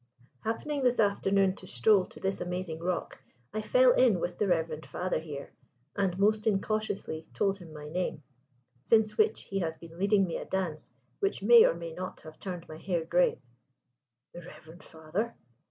Happening this afternoon to stroll to this amazing rock, I fell in with the reverend father here, and most incautiously told him my name: since which he has been leading me a dance which may or may not have turned my hair grey." "The reverend father?"